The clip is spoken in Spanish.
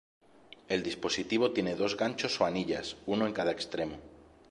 El dispositivo tiene dos ganchos o anillas, uno en cada extremo.